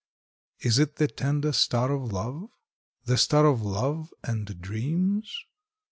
Is it the tender star of love? The star of love and dreams?